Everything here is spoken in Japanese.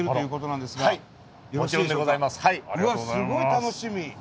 うわすごい楽しみ。